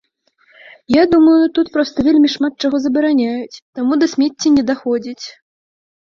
Я думаю, тут проста вельмі шмат чаго забараняюць, таму да смецця не даходзіць.